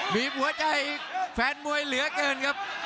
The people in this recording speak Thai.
หัวใจแฟนมวยเหลือเกินครับ